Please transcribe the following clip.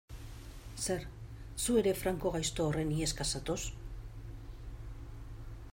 Zer, zu ere Franco gaizto horren iheska zatoz?